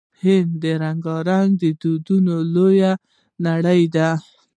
هند د رنګونو او دودونو لویه نړۍ ده.